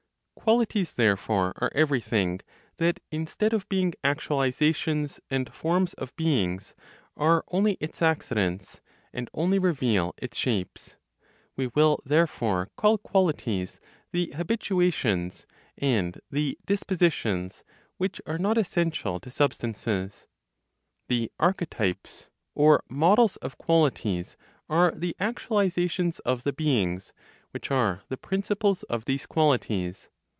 Qualities, therefore, are everything that, instead of being actualizations and forms of beings, are only its accidents, and only reveal its shapes. We will therefore call qualities the habituations and the dispositions which are not essential to substances. The archetypes (or models) of qualities are the actualizations of the beings, which are the principles of these qualities.